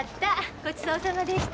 ごちそうさまでした。